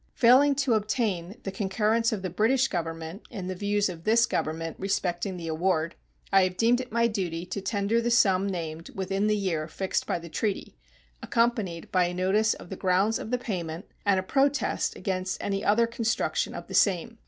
Failing to obtain the concurrence of the British Government in the views of this Government respecting the award, I have deemed it my duty to tender the sum named within the year fixed by the treaty, accompanied by a notice of the grounds of the payment and a protest against any other construction of the same.